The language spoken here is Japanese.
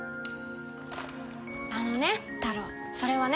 あのねタロウそれはね